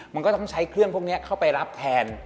มันก็ต้องใช้เครื่องพวกนี้เข้าไปรับแทน